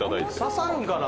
刺さるんかな？